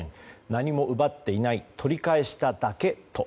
何も奪っていない取り返しただけと。